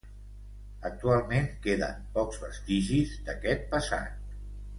Actualment queden pocs vestigis d'aquest passat.